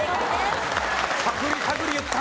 探り探り言ったね。